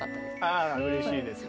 あうれしいですね。